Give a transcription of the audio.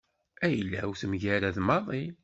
Ayla-w temgarad maḍi.